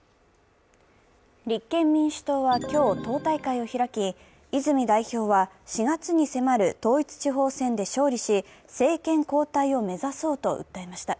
立憲民主党は今日、党大会を開き泉代表は４月に迫る統一地方選で勝利し、政権交代を目指そうと訴えました。